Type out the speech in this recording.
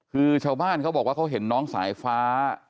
คือชาวบ้านเขาบอกว่าเขาเห็นน้องสายฟ้า